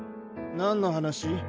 何の話？